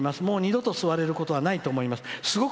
もう二度と座れることはないと思います。